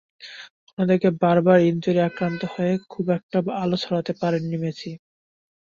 অন্যদিকে বারবার ইনজুরি আক্রান্ত হয়ে খুব একটা আলো ছড়াতে পারেননি মেসি।